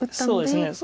そうですね